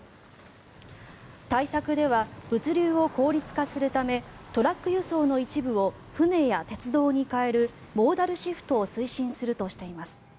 対策では物流を効率化するためトラック輸送の一部を船や鉄道に代えるモーダルシフトを推進するとしています。